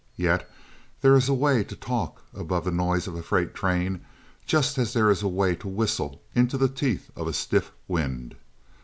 Yet there is a way to talk above the noise of a freight train just as there is a way to whistle into the teeth of a stiff wind.